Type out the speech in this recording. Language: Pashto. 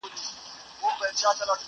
آسمانه ما خو داسي نه ویله٫